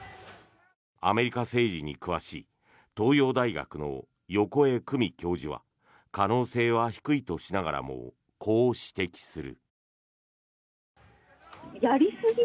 アメリカ政治に詳しい東洋大学の横江公美教授は可能性は低いとしながらもこう指摘する。